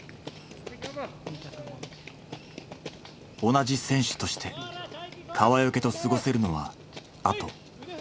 同じ選手として川除と過ごせるのはあと半年しかない。